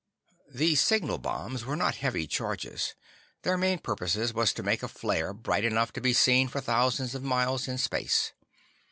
The signal bombs were not heavy charges; their main purposes was to make a flare bright enough to be seen for thousands of miles in space.